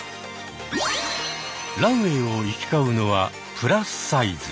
ランウェーを行き交うのはプラスサイズ。